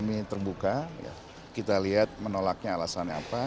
kami terbuka kita lihat menolaknya alasannya apa